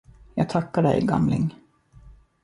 Jag tackar dig, gamling!